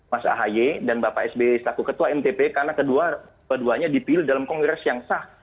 mas ahy dan bapak sbe setaku ketua mdp karena keduanya dipilih dalam kongres yang sah